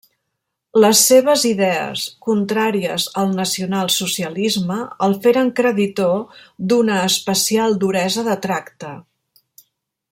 Les seves idees contràries al nacionalsocialisme el feren creditor d'una especial duresa de tracte.